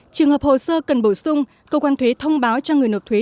trường hợp hồ sơ cần bổ sung cơ quan thuế thông báo cho người nộp thuế